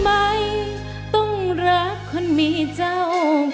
เพลงแรกของเจ้าเอ๋ง